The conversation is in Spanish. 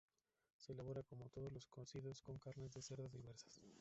Se elabora como todos los cocidos con carnes de cerdo diversas.